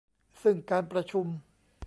ซึ่งการประชุม